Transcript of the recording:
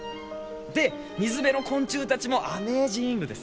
で水辺の昆虫たちもアメージングです。